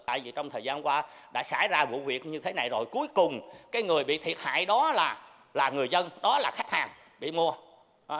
tại vì trong thời gian qua đã xảy ra vụ việc như thế này rồi cuối cùng cái người bị thiệt hại đó là người dân đó là khách hàng bị mua